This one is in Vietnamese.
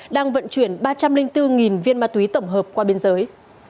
đang vận chuyển ba trăm linh bốn viên ma túy tổng hợp qua biên giới